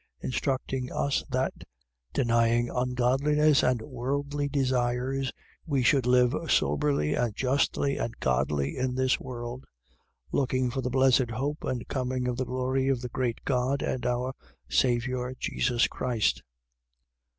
Instructing us, that, denying ungodliness and worldly desires, we should live soberly and justly and godly in this world, 2:13. Looking for the blessed hope and coming of the glory of the great God and our Saviour Jesus Christ.